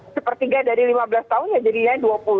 sepertiga dari lima belas tahun ya jadinya dua puluh